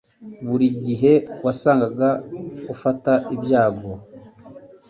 buri gihe wasangaga ufata ibyago